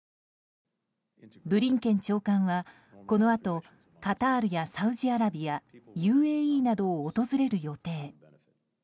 ブリンケン長官は、このあとカタールやサウジアラビアＵＡＥなどを訪れる予定。